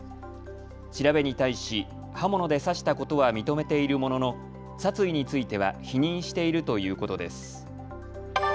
調べに対し刃物で刺したことは認めているものの殺意については否認しているということです。